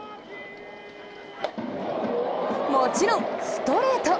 もちろんストレート！